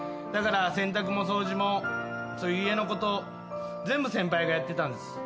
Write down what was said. だから洗濯も掃除もそういう家のこと全部先輩がやってたんです。